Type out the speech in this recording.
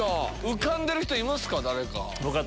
浮かんでる人いますか？